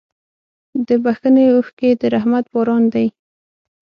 د بښنې اوښکې د رحمت باران دی.